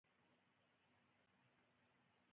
هغه د ډېرو خلکو د خېر او غږ سړی و.